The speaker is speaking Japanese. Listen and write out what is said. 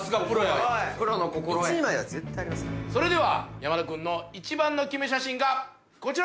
それでは山田君の一番のキメ写真がこちらです！